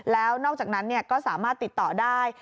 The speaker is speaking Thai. แล้วนอกจากนั้นก็สามารถติดต่อได้